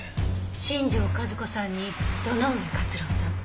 新庄和子さんに堂上克郎さん。